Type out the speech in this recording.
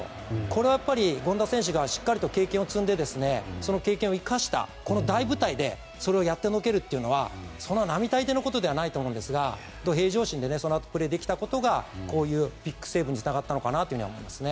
これは、権田選手がしっかりと経験を積んでその経験を生かしたこの大舞台でそれをやってのけるというのはそんな並大抵のことではないと思うんですが平常心でそのあとプレーできたことがビッグセーブにつながったと思います。